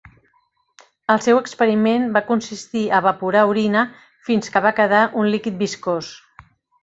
El seu experiment va consistir a evaporar orina fins que va quedar un líquid viscós.